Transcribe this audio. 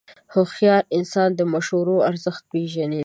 هوښیار انسان د مشورو ارزښت پېژني.